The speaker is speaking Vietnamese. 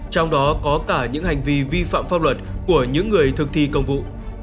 trong đó có cả những hành vi vi phạm pháp luật của những người thực thi công vụ